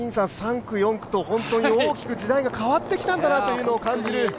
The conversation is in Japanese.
３区、４区と、本当に大きく時代が変わってきたんだなというのを感じる。